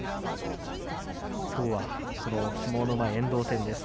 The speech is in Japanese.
きょうは、この相撲のうまい遠藤戦です。